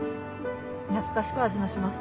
懐かしか味がします。